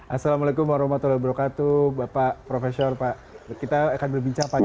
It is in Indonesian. assalamualaikum wr wb bapak profesor kita akan berbincang pagi ini